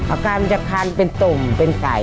อาการมันจะคันเป็นตุ่มเป็นไก่